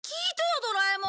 ドラえもん。